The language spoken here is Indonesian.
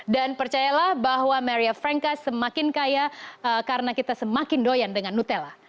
dan percayalah bahwa maria franka semakin kaya karena kita semakin doyan dengan nutella